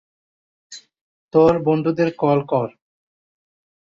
তোর, বন্ধুদের কল কর।